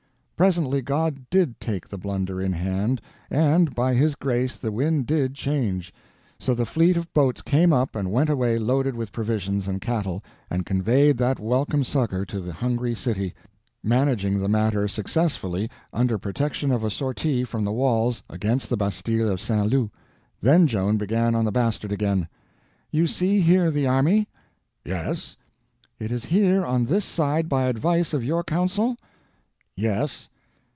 Presently God did take the blunder in hand, and by His grace the wind did change. So the fleet of boats came up and went away loaded with provisions and cattle, and conveyed that welcome succor to the hungry city, managing the matter successfully under protection of a sortie from the walls against the bastille of St. Loup. Then Joan began on the Bastard again: "You see here the army?" "Yes." "It is here on this side by advice of your council?" "Yes."